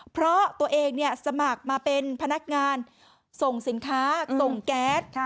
เพราะตัวเองสมัครมาเป็นพนักงานส่งสินค้าส่งแก๊ส